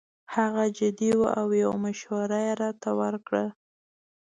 هغه جدي وو او یو مشوره یې راته ورکړه.